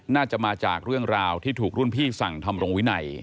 น่าจะมาจากเรื่องราวที่ถูกรุ่นพี่สั่งทำรงวินัย